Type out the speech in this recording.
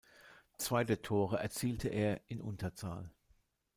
Zwei der Tore erzielte er in Unterzahl.